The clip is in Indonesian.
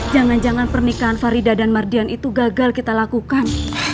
jangan jangan pernikahan farida dan mardian itu gagal kita lakukan